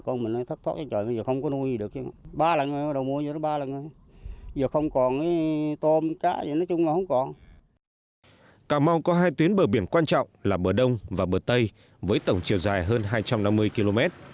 cà mau có hai tuyến bờ biển quan trọng là bờ đông và bờ tây với tổng chiều dài hơn hai trăm năm mươi km